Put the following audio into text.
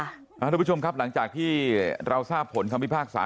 คุณผู้ชมครับหลังจากที่เราทราบผลคำพิพากษา